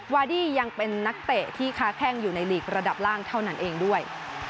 วาดี้ยังเป็นนักเตะที่ค้าแข้งอยู่ในลีกระดับล่างเท่านั้นเองด้วย